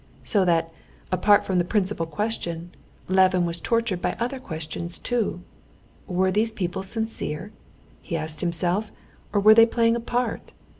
So that, apart from the principal question, Levin was tortured by other questions too. Were these people sincere? he asked himself, or were they playing a part?